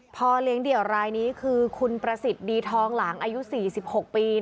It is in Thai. พ่อเลี้ยงเดี่ยวรายนี้คือคุณประสิทธิ์ดีทองหลางอายุ๔๖ปี